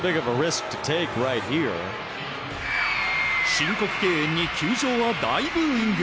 申告敬遠に球場は大ブーイング。